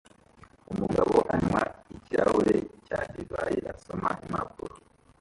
Umugabo anywa ikirahure cya divayi asoma impapuro